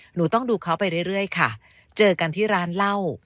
หนูต้องดูเขาไปเรื่อยค่ะเจอกันที่ร้านเหล้า